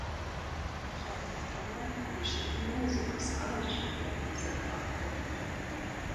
Лъагъуныгъэмрэ гущыкӏымрэ зы мэскъалщ я зэхуаку дэлъыр.